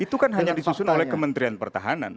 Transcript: itu kan hanya disusun oleh kementerian pertahanan